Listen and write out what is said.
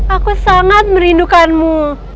aku sangat merindukanmu